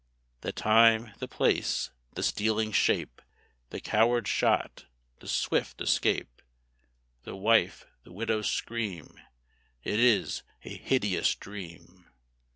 The time, the place, the stealing shape, The coward shot, the swift escape, The wife, the widow's scream, It is a hideous Dream!